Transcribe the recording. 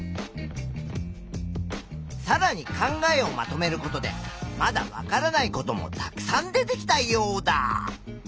さらに考えをまとめることでまだわからないこともたくさん出てきたヨウダ！